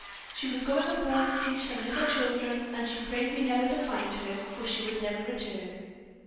She was going abroad to teach some little children, and she prayed me never to find her, for she would never return."